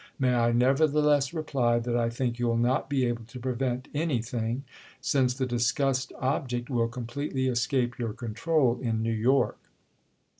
"May I nevertheless reply that I think you'll not be able to prevent anything?—since the discussed object will completely escape your control in New York!"